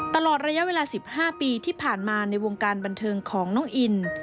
ตลอดระยะเวลา๑๕ปีที่ผ่านมาในวงการบันเทิงของน้องอิน